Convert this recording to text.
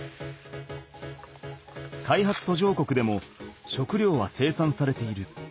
開発途上国でも食料は生産されている。